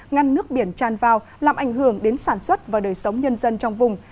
ngăn nước biển tràn vào làm ảnh hưởng đến sản xuất và đời sống nhân dân trong vùng